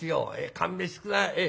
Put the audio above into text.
勘弁して下さい。